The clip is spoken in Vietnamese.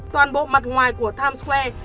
toàn bộ mặt ngoài của times square